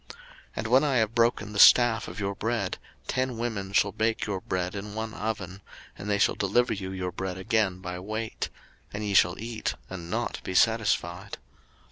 03:026:026 And when I have broken the staff of your bread, ten women shall bake your bread in one oven, and they shall deliver you your bread again by weight: and ye shall eat, and not be satisfied.